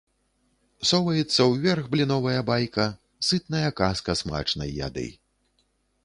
Соваецца ўверх бліновая байка, сытная казка смачнай яды.